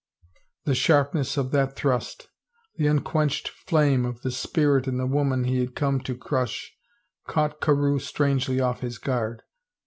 The sharpness of that thrust, the unquenched flame of the spirit in the woman he had come to crush, caught Carewe strangely off his guard.